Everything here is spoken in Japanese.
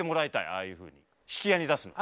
ああいうふうに引き合いに出すの。